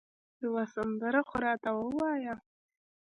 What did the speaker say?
یوه سندره خو راته ووایه